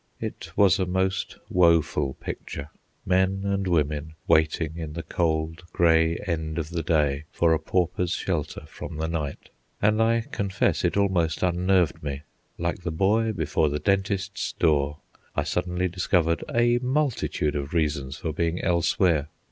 It was a most woeful picture, men and women waiting in the cold grey end of the day for a pauper's shelter from the night, and I confess it almost unnerved me. Like the boy before the dentist's door, I suddenly discovered a multitude of reasons for being elsewhere.